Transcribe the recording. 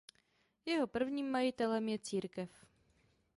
Jeho prvním majitelem je církev.